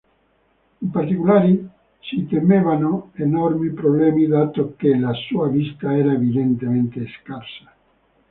In particolare si temevano enormi problemi dato che la sua vista era evidentemente scarsa.